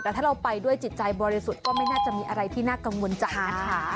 แต่ถ้าเราไปด้วยจิตใจบริสุทธิ์ก็ไม่น่าจะมีอะไรที่น่ากังวลใจนะคะ